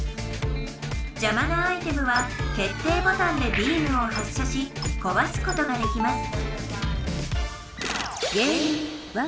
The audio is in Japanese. じゃまなアイテムは決定ボタンでビームを発射しこわすことができます